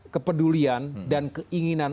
kepedulian dan keinginan